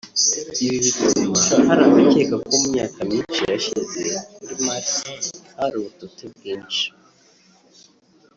Ibi bituma hari abakeka ko mu myaka myinshi yashize kuri Mars hari ubutote bwinshi